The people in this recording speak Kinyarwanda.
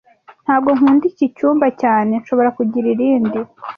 Ntago nkunda iki cyumba cyane Nshobora kugira irindi?